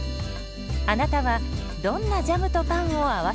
あなたはどんなジャムとパンを合わせますか？